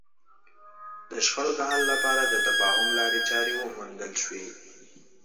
د شخړو د حل لپاره د تفاهم لارې چارې وموندل شي.